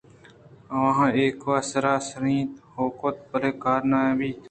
آواں ایوک ءَ سر سُرینت ہئو کُت بلئے کار نہ بیت